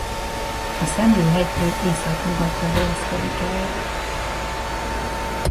A Szemlő-hegytől északnyugatra helyezkedik el.